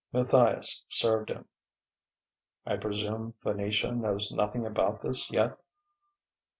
Matthias served him. "I presume Venetia knows nothing about this, yet?"